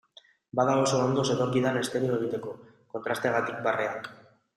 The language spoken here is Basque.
Bada oso ondo zetorkidan estereo egiteko, kontrasteagatik barreak.